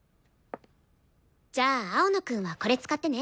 じゃあ青野くんはこれ使ってね。